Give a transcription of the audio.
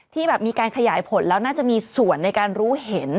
ที่แบบมีการขยายผลแล้วน่าจะมีส่วนในการรู้เห็น